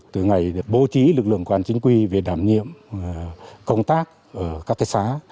từ ngày bố trí lực lượng công an chính quy về đảm nhiệm công tác ở các cái xã